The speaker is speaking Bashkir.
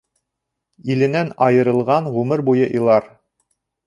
Иленән айырылған ғүмер буйы илар.